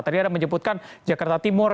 tadi ada menyebutkan jakarta timur